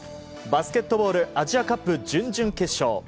バスケットボールアジアカップ準々決勝。